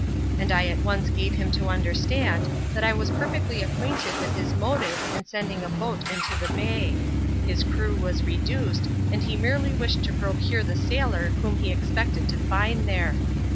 And I at once gave him to understand, thst I was perfectly acquainted with his motives in sending a boat into the bay ; his crew was reduced, and, he merely wished to procure the sailor whom he expected to find there.